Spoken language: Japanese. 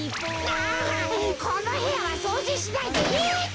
ああっこのへやはそうじしないでいいって。